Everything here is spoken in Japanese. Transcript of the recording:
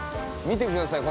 見てください